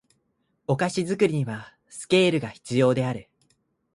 お菓子作りにはスケールが必要である